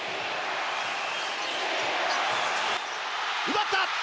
奪った！